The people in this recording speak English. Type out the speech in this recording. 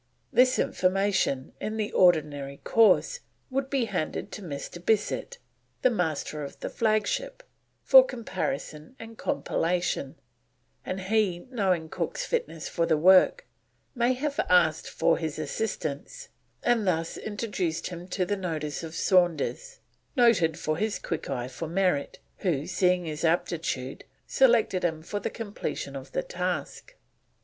This information, in the ordinary course, would be handed to Mr. Bissett, the Master of the flagship, for comparison and compilation, and he, knowing Cook's fitness for the work, may have asked for his assistance and thus introduced him to the notice of Saunders, noted for his quick eye for merit, who, seeing his aptitude, selected him for the completion of the task.